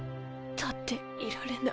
立っていられな。